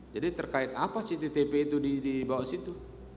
jadi terkait apa cctv itu dibawa situ